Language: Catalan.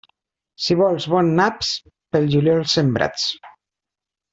Si vols bons naps, pel juliol sembrats.